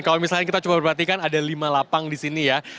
kalau misalnya kita coba perhatikan ada lima lapang di sini ya